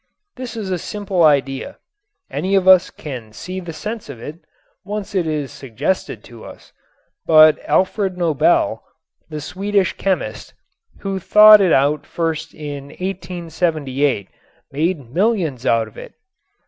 This is a simple idea. Any of us can see the sense of it once it is suggested to us. But Alfred Nobel, the Swedish chemist, who thought it out first in 1878, made millions out of it.